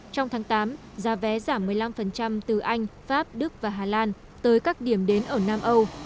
trong tháng tám giá vé giảm một mươi năm từ anh pháp đức và hà lan tới các điểm đến ở nam âu